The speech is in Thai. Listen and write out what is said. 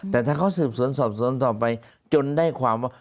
แต่ถ้าเขาสืบสวนสอบสวนต่อไปจนได้ความว่า